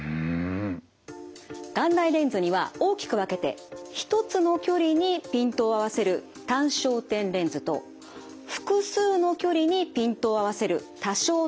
眼内レンズには大きく分けて一つの距離にピントを合わせる単焦点レンズと複数の距離にピントを合わせる多焦点レンズの２種類あります。